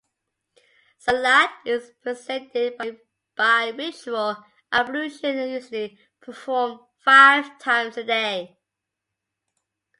Salat is preceded by ritual ablution and usually performed five times a day.